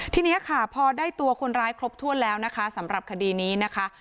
ทีนี้ค่ะพอได้ตัวคนร้ายครบถ้วนแล้วนะคะสำหรับคดีนี้นะคะ